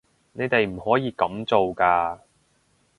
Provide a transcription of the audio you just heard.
你哋唔可以噉做㗎